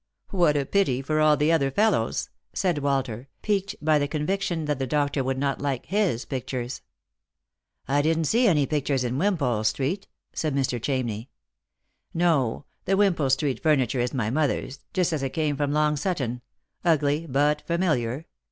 " What a pity for all the other fellows !" said Walter, piqued by the conviction that the doctor would not like his pictures. "I didn't see any pictures in Wimpole street," said Mr. Chamney. " No ; the Wimpole street furniture is my mother's, just as it came from Long Sutton — ugly, but familiar.